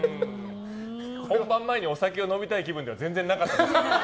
本番前にお酒を飲みたい気分では全然なかったんですけど。